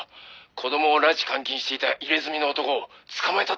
「子供を拉致監禁していた入れ墨の男を捕まえたってよ」